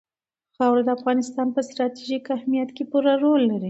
خاوره د افغانستان په ستراتیژیک اهمیت کې پوره رول لري.